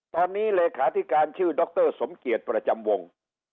ตอนนี้เลขาธิการชื่อดรสมเกียจประจำวง